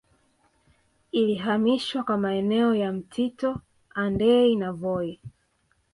Ilihamishwa kwa maeneo ya Mtito Andei na Voi